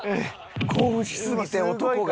興奮しすぎて男が。